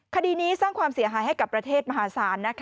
คดีนี้สร้างความเสียหายให้กับประเทศมหาศาล